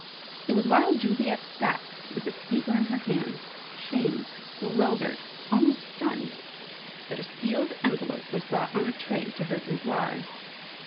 It was while Juliet sat with the paper in her hands, shamed, bewildered, almost stunned, that a sealed envelope was brought on a tray to her boudoir.